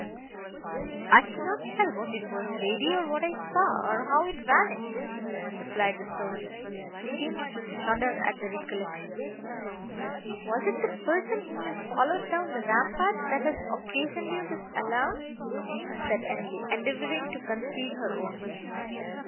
"I cannot tell what it was, lady, or what I saw, or how it vanished," replied the soldier, who seemed to shudder at the recollection. "Was it the person, whom you followed down the rampart, that has occasioned you this alarm?" said Emily, endeavouring to conceal her own.